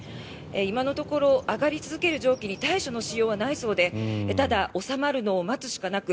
今のところ上がり続ける蒸気に対処のしようはないそうでただ収まるのを待つしかなく